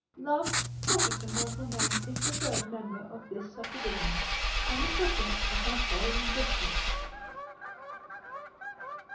Love proper to mortal men is the third member of this subdivision, and the subject of my following discourse.